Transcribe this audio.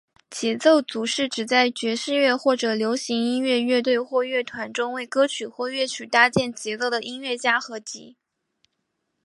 节奏组是指在爵士乐或者流行音乐乐队或乐团中为歌曲或乐曲搭建节奏的音乐家集合。